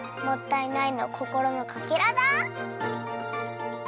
もったいないのこころのかけらだ！